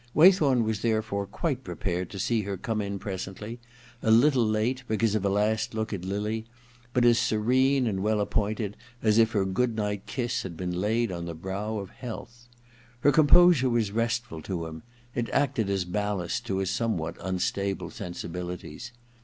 Way thorn was therefore quite prepared to see her come in presently, a little late because of a last look at Lily, but as serene and well appointed as if her good night kiss had been laid on the brow of health. Her composure was restful to him ; it acted as ballast to his somewhat un stable sensibilities.